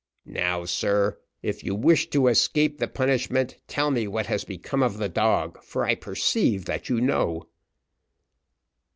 "Now, sir, if you wish to escape the punishment, tell me what has become of the dog, for I perceive that you know."